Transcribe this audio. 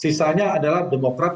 sisanya adalah demokrat